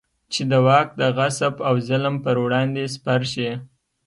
چې د واک د غصب او ظلم پر وړاندې سپر شي.